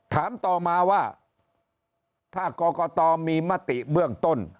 ถามต่อมาว่าถ้ากรกตมีมติเบื้องต้น